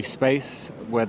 di luar peringkat